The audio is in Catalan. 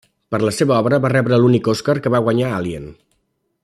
Per la seva obra va rebre l'únic Oscar que va guanyar Alien.